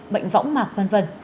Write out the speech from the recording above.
bệnh võng mạc v v